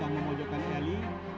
sangat memojokkan eli